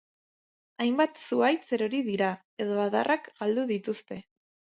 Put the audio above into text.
Hainbat zuhaitz erori dira, edo adarrak galdu dituzte.